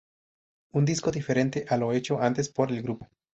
Un disco diferente a lo hecho antes por el grupo.